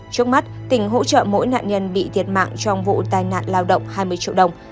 trước mắt tỉnh hỗ trợ mỗi nạn nhân bị thiệt mạng trong vụ tai nạn lao động hai mươi triệu đồng